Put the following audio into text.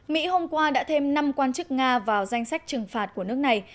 mỹ hôm qua đã thêm năm quan chức nga vào danh sách trừng phạt của nước này